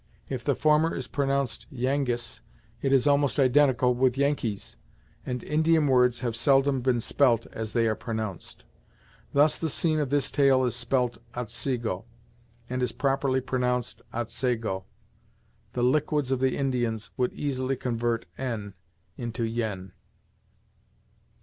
If the former is pronounced "Yangis," it is almost identical with "Yankees," and Indian words have seldom been spelt as they are pronounced. Thus the scene of this tale is spelt "Otsego," and is properly pronounced "Otsago." The liquids of the Indians would easily convert "En" into "Yen."